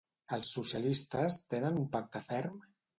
Els socialistes tenen un pacte ferm?